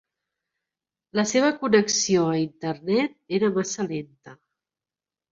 La seva connexió a Internet era massa lenta.